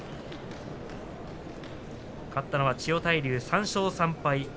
勝ったのは千代大龍、３勝３敗。